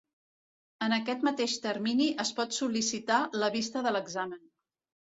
En aquest mateix termini es pot sol·licitar la vista de l'examen.